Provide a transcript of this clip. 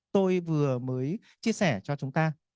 tôi vừa mới chia sẻ cho chúng ta